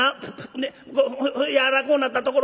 んでやわらこうなったところ